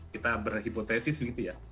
kita berhipotesis begitu ya